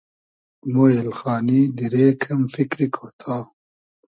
مۉ اېلخانی دیرې کئم فیکری کۉتا